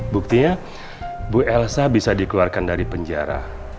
buktinya bu elsa bisa dikeluarkan dari penjara